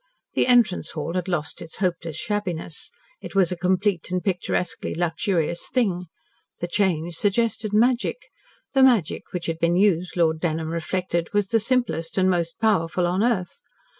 The entrance hall had lost its hopeless shabbiness. It was a complete and picturesquely luxurious thing. The change suggested magic. The magic which had been used, Lord Dunholm reflected, was the simplest and most powerful on earth.